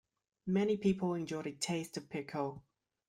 Many people enjoy the taste of pickle.